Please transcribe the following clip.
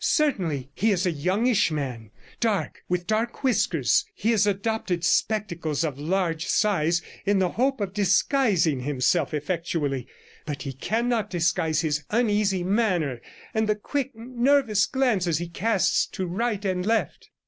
'Certainly; he is a youngish man, dark, with dark whiskers. He has adopted spectacles of large size in the hope of disguising himself effectually, but he cannot disguise his uneasy manner, and the quick, nervous glances he casts to right and left.'